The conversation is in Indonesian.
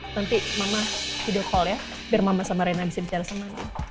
nanti mama video call ya biar mama sama rena bisa bicara sama